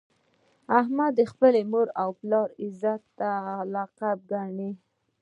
احمد د خپلې مور او پلار عزت خپله قبله ګڼي.